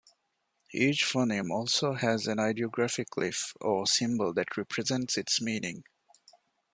Each phoneme also has an ideographic glyph or symbol that represents its meaning.